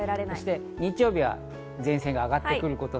日曜日は前線が上がってくる。